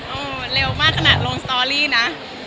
เร็วมากขนาดลงสตอรี่นะ